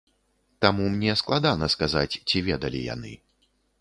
Таму мне складана сказаць, ці ведалі яны.